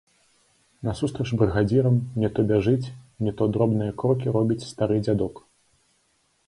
Насустрач брыгадзірам не то бяжыць, не то дробныя крокі робіць стары дзядок.